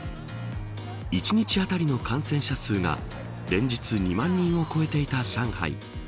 １日当たりの感染者数が連日２万人を超えていた上海。